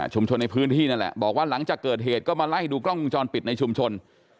ในพื้นที่นั่นแหละบอกว่าหลังจากเกิดเหตุก็มาไล่ดูกล้องวงจรปิดในชุมชน